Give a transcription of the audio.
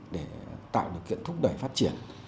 để tạo được kiện thúc đẩy phát triển